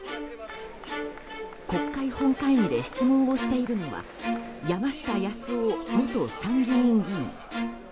国会本会議で質問をしているのは山下八洲夫元参議院議員。